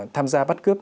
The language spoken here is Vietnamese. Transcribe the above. tham gia bắt cướp